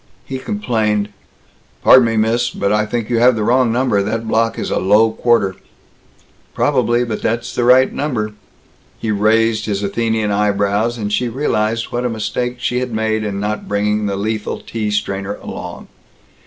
He complained, "Pardon me, miss, but I think you have the wrong number. That block is a low quarter." "Probably! But that's the right number!" He raised his Athenian eyebrows, and she realized what a mistake she had made in not bringing the lethal tea strainer along.